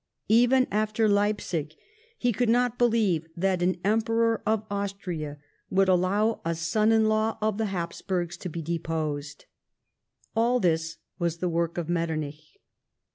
Even after Leipsig he could not believe that an Emperor of Austria would allow a son in law of the Habsburgs to be deposed. All this was the work of Metternich.